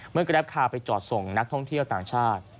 กราฟคาร์ไปจอดส่งนักท่องเที่ยวต่างชาติ